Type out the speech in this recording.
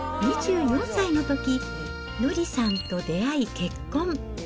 ２４歳のとき、乃りさんと出会い、結婚。